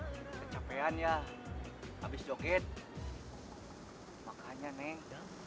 kecapean ya habis joget makanya neng